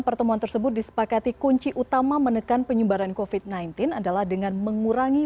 pertemuan tersebut disepakati kunci utama menekan penyebaran covid sembilan belas adalah dengan mengurangi